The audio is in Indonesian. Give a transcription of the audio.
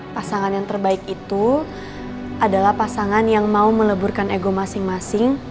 pasangan yang terbaik itu adalah pasangan yang mau meleburkan ego masing masing